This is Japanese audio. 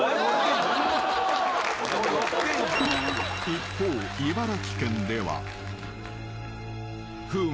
［一方茨城県では］